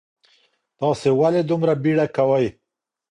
تاسو ولې دومره بیړه کوئ؟